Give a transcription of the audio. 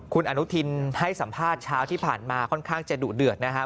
คุณอนุทินให้สัมภาษณ์เช้าที่ผ่านมาค่อนข้างจะดุเดือดนะครับ